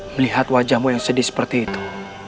melihat wajahmu yang sedih seperti itu